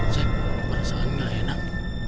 sip perasaan gak enak